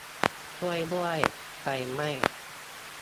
ช่วยด้วย ! ไฟไหม้ !